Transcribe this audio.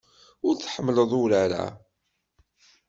Ur tḥemmleḍ urar-a.